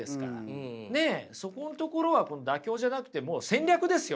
ねえそこのところは妥協じゃなくてもう戦略ですよ。